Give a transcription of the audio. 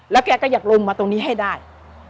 แกก็อยากลงมาตรงนี้ให้ได้